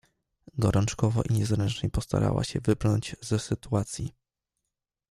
"Gorączkowo i niezręcznie postarała się wybrnąć z sytuacji."